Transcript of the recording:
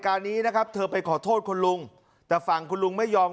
การนี้นะครับเธอไปขอโทษคุณลุงแต่ฝั่งคุณลุงไม่ยอม